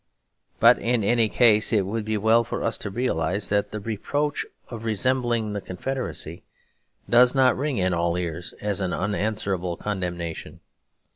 But in any case, it would be well for us to realise that the reproach of resembling the Confederacy does not ring in all ears as an unanswerable condemnation.